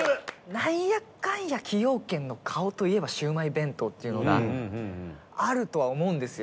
なんやかんや崎陽軒の顔といえばシウマイ弁当っていうのがあるとは思うんですよ。